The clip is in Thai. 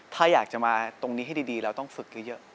ถ้าอยากจะมาตรงนี้ให้ดีเราต้องฝึกเยอะ